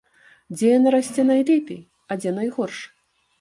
Дзе яна расце найлепей, а дзе найгорш?